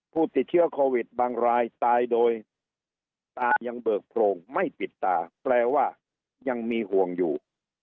ผู้ติดเชื้อโควิดบางรายตายโดยตายังเบิกโพรงไม่ปิดตาแปลว่ายังมีห่วงอยู่